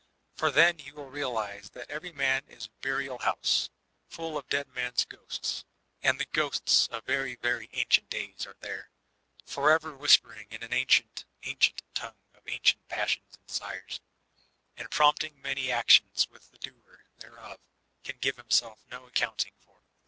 For then you will realise Ifaat every man is a burial house, full of dead men*s LiTEKATtntS TBB MlUOR OP MaN 365 ghosts, — and the ghosts of very, very ancient days are there, forever whispering in an ancient, ancient tongue of ancient passions and desires, and prompting many actions which the doer thereof can give himself no ac counting for.